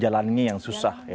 jalannya yang susah ya